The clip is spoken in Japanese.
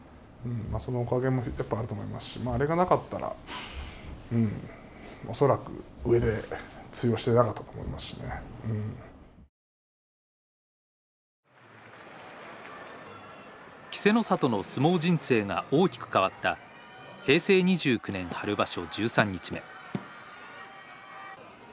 まあそのおかげもやっぱあると思いますし稀勢の里の相撲人生が大きく変わった平成２９年春場所１３日目。